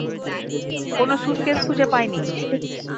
কোনো স্যুটকেস খুঁজে পাইনি।